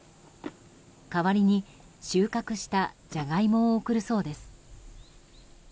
代わりに、収穫したジャガイモを送るそうです。